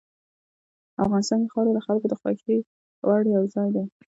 افغانستان کې خاوره د خلکو د خوښې وړ یو ځای دی.